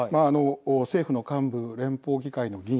政府の幹部、連邦議会の議員